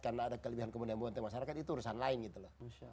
karena ada kelebihan kemudian yang membuat masyarakat itu urusan lain gitu loh